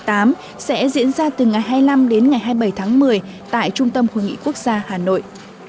sẽ diễn ra từ ngày hai mươi năm đến ngày hai mươi bảy tháng một mươi tại trung tâm hội nghị quốc gia hà nội